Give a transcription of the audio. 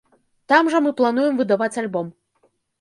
Там жа мы плануем выдаваць альбом.